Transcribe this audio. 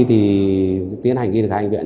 tiến hành ghi được hai anh viện